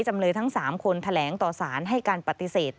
จำเลยทั้ง๓คนแถลงต่อสารให้การปฏิเสธ